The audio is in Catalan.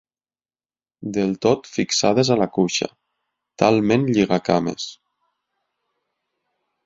Del tot fixades a la cuixa, talment lliga-cames.